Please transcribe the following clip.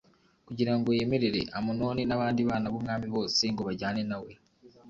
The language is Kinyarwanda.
kugira ngo yemerere Amunoni n’abandi bana b’umwami bose ngo bajyane na we.